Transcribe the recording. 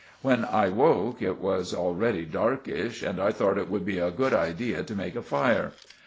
When I woke it was getting darkish and I thort it would be a good thing to make a fire.